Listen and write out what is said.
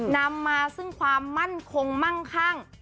นำมาซึ่งความมั่นคงมั่งคั่ง